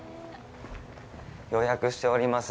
予約しております